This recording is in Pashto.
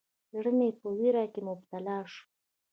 زړه مې په ویره کې مبتلا شو.